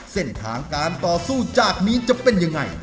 เส้นทางการต่อสู้จากนี้จะเป็นยังไง